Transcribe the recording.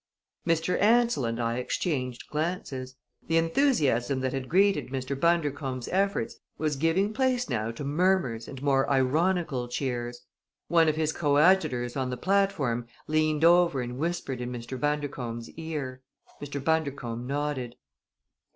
Mr. Ansell and I exchanged glances. The enthusiasm that had greeted Mr. Bundercombe's efforts was giving place now to murmurs and more ironical cheers. One of his coadjutors on the platform leaned over and whispered in Mr. Bundercombe's ear. Mr. Bundercombe nodded.